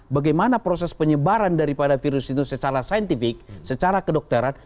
bagaimana proses penyebaran daripada virus itu secara saintifik secara kedokteran